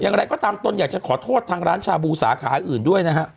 อย่างไรก็ตามตนอยากจะขอโทษทางร้านชาบูสาขาอื่นด้วยนะฮะ